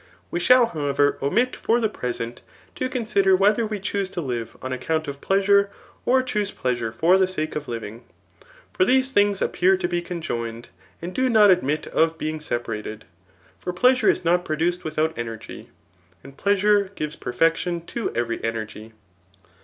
We shall, however, omit for the present to con nder, whether we choose to Uve on account of pleasure, or choose pleasure for the sake of living ; for these things appear to be conjoined, and do not admit of being sepa rated. For pleasure is not. produced without energy, and pleasure gives perfection to every energy.